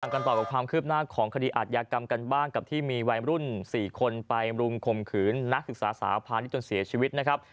กันต่อกับความคืบหน้าของคดีอาทยากรรมกันบ้างกับที่มีวัยรุ่น๔คนไปรุมข่มขืนนักศึกษาสาวพาณิชยจนเสียชีวิตนะครับ